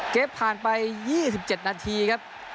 ฟผ่านไป๒๗นาทีครับ